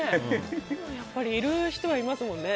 やっぱりいる人はいますもんね